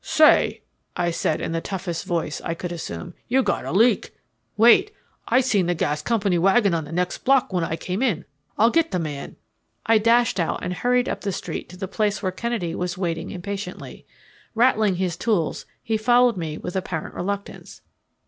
"Say," I said in the toughest voice I could assume, "you got a leak. Wait. I seen the gas company wagon on the next block when I came in. I'll get the man." I dashed out and hurried up the street to the place where Kennedy was waiting impatiently. Rattling his tools, he followed me with apparent reluctance.